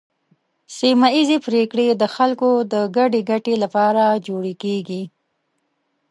سیمه ایزې پریکړې د خلکو د ګډې ګټې لپاره جوړې کیږي.